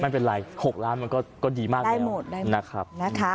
มันเป็นไร๖๐๐๐๐๐๐มันก็ดีมากแล้วได้หมดได้หมดนะครับ